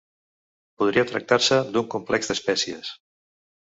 Podria tractar-se d'un complex d'espècies.